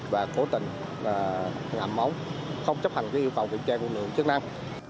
và cố tình ngạm ống không chấp hành yêu cầu kiểm tra nguồn lượng chức năng